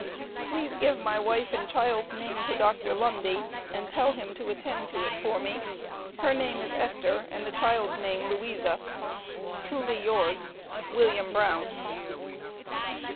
Please give my wife and child's name to Dr. Lundy, and tell him to attend to it for me. Her name is Esther, and the child's name Louisa. Truly yours, WILLIAM BROWN.